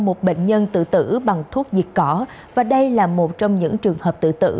một bệnh nhân tự tử bằng thuốc diệt cỏ và đây là một trong những trường hợp tự tử